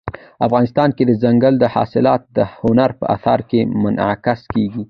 افغانستان کې دځنګل حاصلات د هنر په اثار کې منعکس کېږي.